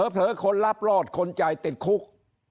เผลอคนรับรอดคนจ่ายติดคุก